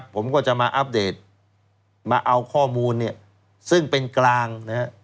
ผมก็จะมาอัปเดตมาเอาข้อมูลซึ่งเป็นกลาง